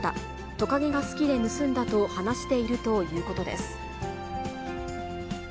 トカゲが好きで盗んだと話しているということです。